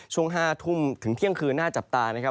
ช่วง๕ทุ่มถึงเที่ยงคืนน่าจับตานะครับ